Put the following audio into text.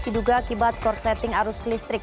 diduga akibat korsleting arus listrik